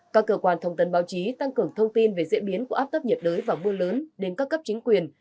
các cơ quan thông tin báo chí tăng cường thông tin về diễn biến của áp thấp nhiệt đới và mưa lớn đến các cấp chính quyền